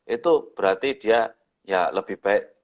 itu berarti dia ya lebih baik